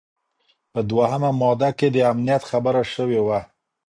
په دوهمه ماده کي د امنیت خبره شوې وه.